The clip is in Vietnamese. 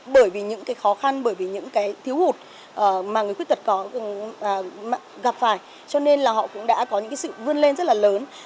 bởi vì những cái khó khăn bởi vì những cái thiếu hụt mà người khuyết tật gặp phải cho nên là họ cũng đã có những cái sự vươn lên rất là lớn